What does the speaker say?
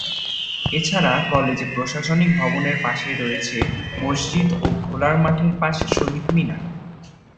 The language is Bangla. এছাড়া কলেজে প্রশাসনিক ভবনের পাশে রয়েছে মসজিদ ও খেলার মাঠের পাশে শহীদ মিনার।